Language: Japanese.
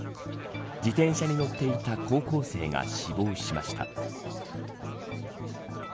自転車に乗っていた高校生が死亡しました。